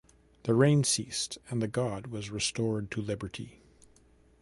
The rain ceased and the god was restored to liberty.